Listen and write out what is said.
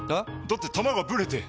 だって球がブレて！